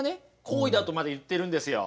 行為だとまで言ってるんですよ。